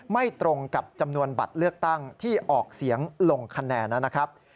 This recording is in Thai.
ไม่ตรงกับจำนวนบัตรเลือกตั้งที่ออกเสียงลงคะแนนนะครับ